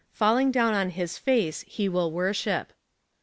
Falling down on his face, he will worship.